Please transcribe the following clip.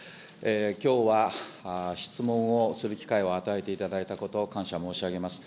きょうは質問をする機会を与えていただいたこと、感謝申し上げます。